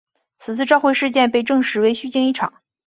此次召回事件被证实为虚惊一场。